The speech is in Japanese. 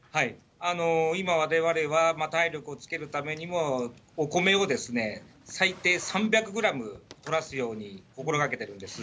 今、われわれは体力をつけるためにも、お米を最低３００グラムとらすように心がけてるんです。